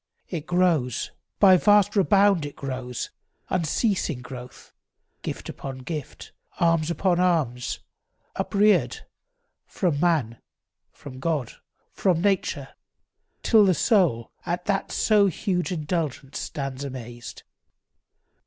It grows— By vast rebound it grows, unceasing growth; Gift upon gift, alms upon alms, upreared, From man, from God, from nature, till the soul At that so huge indulgence stands amazed.